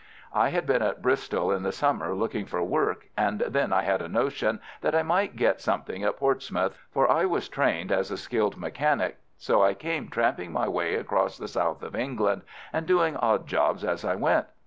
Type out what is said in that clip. I had been at Bristol in the summer looking for work, and then I had a notion that I might get something at Portsmouth, for I was trained as a skilled mechanic, so I came tramping my way across the south of England, and doing odd jobs as I went.